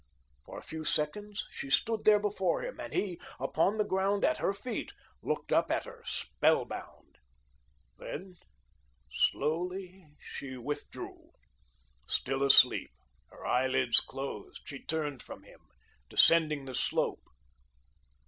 For a few seconds, she stood there before him, and he, upon the ground at her feet, looked up at her, spellbound. Then, slowly she withdrew. Still asleep, her eyelids closed, she turned from him, descending the slope.